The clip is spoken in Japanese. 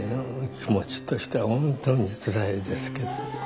気持ちとしては本当につらいですけど。